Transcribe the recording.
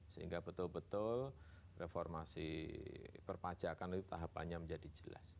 sehingga betul betul reformasi perpajakan itu tahapannya menjadi jelas